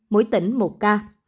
mỗi tỉnh một ca